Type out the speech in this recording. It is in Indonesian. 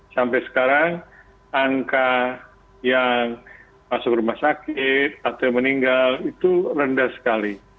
sampai sekarang angka yang masuk rumah sakit atau yang meninggal itu rendah sekali